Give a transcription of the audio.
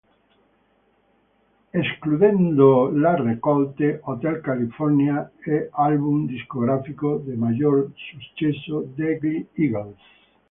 Escludendo le raccolte, "Hotel California" è l'album discografico di maggior successo degli Eagles.